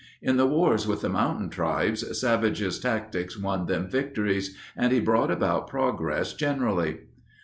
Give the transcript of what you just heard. In the wars with the mountain tribes Savage's tactics won them victories, and he brought about progress, generally.